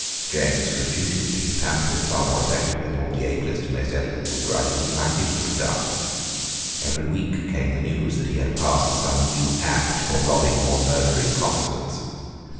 James refuted these pamphlets far more effectually than all the ablest and most eloquent Whig writers united could have done. Every week came the news that he had passed some new Act for robbing or murdering Protestants.